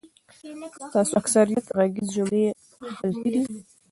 ستاسو اکثریت غږیز جملی خلطی دی